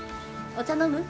お茶飲む？